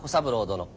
殿